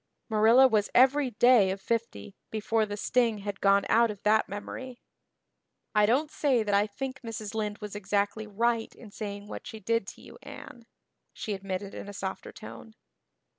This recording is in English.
Marilla was every day of fifty before the sting had gone out of that memory. "I don't say that I think Mrs. Lynde was exactly right in saying what she did to you, Anne," she admitted in a softer tone.